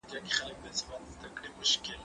خبري د زده کوونکي له خوا کيږي،